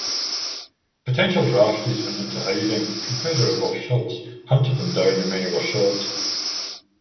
Potential draftees went into hiding, Confederate officials hunted them down, and many were shot.